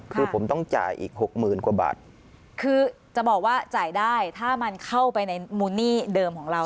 คือผมต้องจ่ายอีกหกหมื่นกว่าบาทคือจะบอกว่าจ่ายได้ถ้ามันเข้าไปในมูลหนี้เดิมของเรา